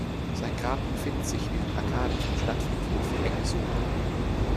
Sein Grab befindet sich in den Arkaden vom Stadtfriedhof Engesohde.